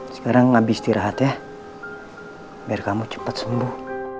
sekarang habis istirahat ya biar kamu cepat sembuh